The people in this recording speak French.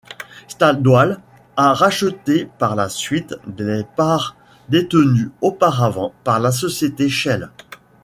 Stadoil a racheté par la suite les parts détenues auparavant par la société Shell.